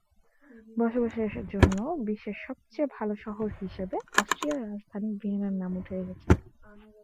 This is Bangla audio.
বসবাসের জন্য বিশ্বের সবচেয়ে ভালো শহর হিসেবে অস্ট্রিয়ার রাজধানী ভিয়েনার নাম উঠে এসেছে।